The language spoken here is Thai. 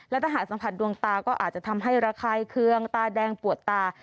และถ้าหากสัมผัสดวงตาก็อาจจะทำให้ระคายเคืองตาแดงปวดตา